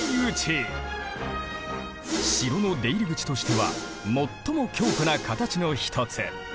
城の出入り口としては最も強固な形の一つ。